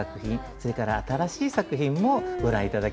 それから新しい作品もご覧頂きます。